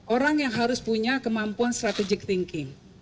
orang yang harus punya kemampuan strategic thinking